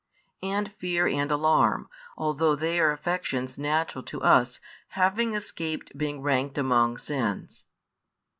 And fear and alarm, although they are affections natural to us, have escaped being ranked among sins.